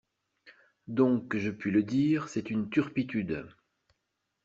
Donc je puis le dire, c'est une turpitude!